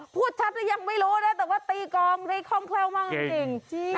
พูดชัดแล้วยังไม่รู้นะแต่ว่าตีกองได้คล่องแคล่วมากจริง